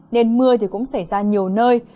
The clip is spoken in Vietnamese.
nên mưa cũng xảy ra nhiều nơi